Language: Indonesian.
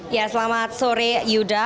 ya selamat sore yuda